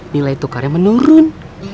nilai tukarnya menurun